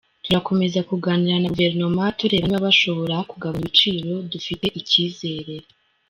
Turakomeza kuganira na guverinoma tureba niba bashobora kugabanya ibiciro; dufite icyizere.